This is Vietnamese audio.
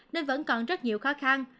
nên vẫn còn rất nhiều khó khăn